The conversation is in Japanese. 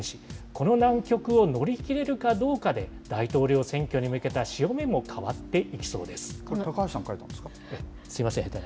この難局を乗り切れるかどうかで、大統領選挙に向けた潮目も変わっこれ、高橋さん、描いたんですみません。